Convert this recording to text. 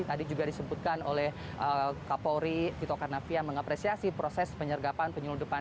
tadi juga disebutkan oleh kapolri tito karnavian mengapresiasi proses penyergapan penyelundupan